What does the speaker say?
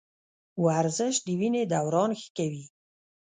ورزش د وینې دوران ښه کوي.